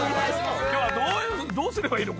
今日はどうすればいいの？